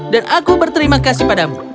dan aku berterima kasih padamu